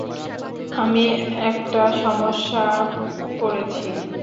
আমি একটা সমস্যা পড়েছি।